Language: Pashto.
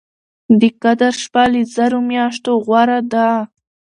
د قدر شپه له زرو مياشتو غوره ده